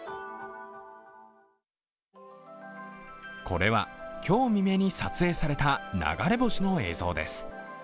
これは今日未明に撮影された流れ星の映像です。